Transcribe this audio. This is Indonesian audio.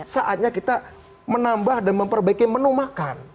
saatnya kita menambah dan memperbaiki menu makan